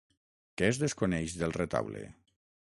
Què es desconeix del retaule?